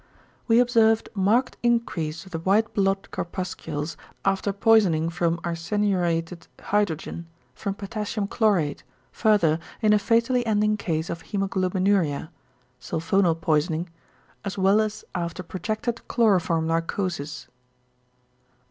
We observed marked increase of the white blood corpuscles after poisoning from arsenurietted hydrogen, from potassium chlorate, further in a fatally ending case of hæmoglobinuria (sulphonal poisoning?) as well as after protracted chloroform narcosis.